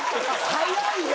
早いよ！